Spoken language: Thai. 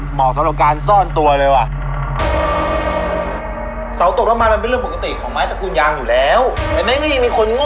เฮียนแบบแบบ